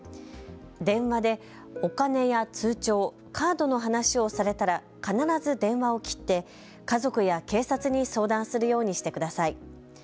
電話でお金や通帳、カードの話をされたら必ず電話を切って家族や警察に相談するようにしてください。